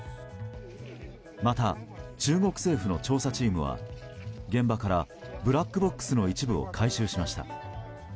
また、中国政府の調査チームは現場からブラックボックスの一部を回収しました。